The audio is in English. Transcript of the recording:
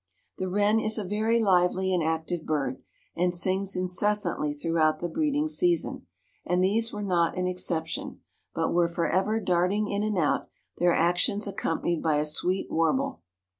The wren is a very lively and active bird, and sings incessantly throughout the breeding season, and these were not an exception, but were forever darting in and out, their actions accompanied by a sweet warble.